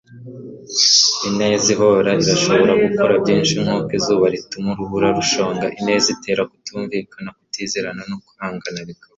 ineza ihoraho irashobora gukora byinshi. nkuko izuba rituma urubura rushonga, ineza itera kutumvikana, kutizerana, no kwangana bikavaho